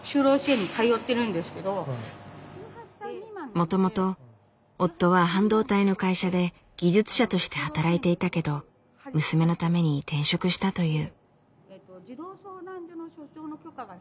もともと夫は半導体の会社で技術者として働いていたけど娘のために転職したという。